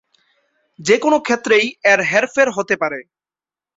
যে কোনো ক্ষেত্রেই এর হেরফের হতে পারে।